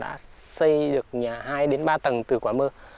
đã xây được nhà hai đến ba tầng từ quả mơ